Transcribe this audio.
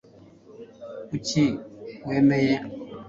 kuki wemeye